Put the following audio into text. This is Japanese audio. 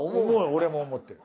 俺も思ってる。